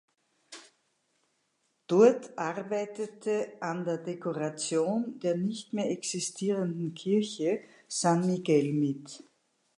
Dort arbeitete an der Dekoration der nicht mehr existierenden Kirche Sant Miquel mit.